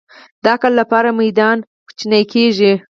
د عقل لپاره میدان وړوکی کېږي.